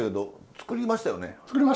作りましたよ。